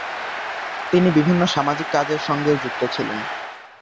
তিনি বিভিন্ন সামাজিক কাজের সঙ্গেও যুক্ত ছিলেন।